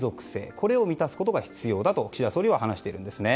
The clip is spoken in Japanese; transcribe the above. これを満たすことが必要だと岸田総理は話しているんですね。